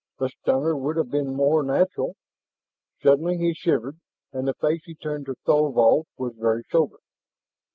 The stunner would have been more natural." Suddenly he shivered, and the face he turned to Thorvald was very sober.